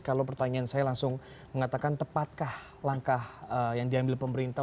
kalau pertanyaan saya langsung mengatakan tepatkah langkah yang diambil pemerintah